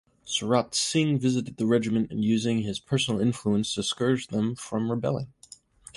Surat Singh visited the regiment and using his personal influence discouraged them from rebelling.